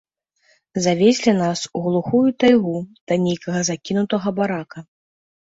Завезлі нас у глухую тайгу да нейкага закінутага барака.